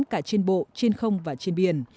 cả trên bộ trên không và trên biển